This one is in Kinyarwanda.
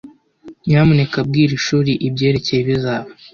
nyamuneka bwira ishuri ibyerekeye ibizaba